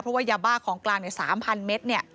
เพราะว่ายาบ้าของกลาง๓๐๐เมตร